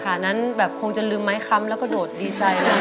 นั้นแบบคงจะลืมไม้ค้ำแล้วก็โดดดีใจเลย